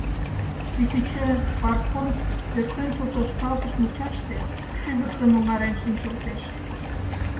Кӱтӱчӧ Парпон пӧртӧнчыл тошкалтыш мучаште шӱвыржым оҥарен шинчылтеш.